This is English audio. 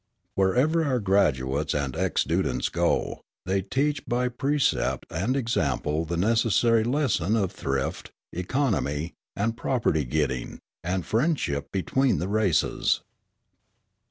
Wherever our graduates and ex students go, they teach by precept and example the necessary lesson of thrift, economy, and property getting, and friendship between the races.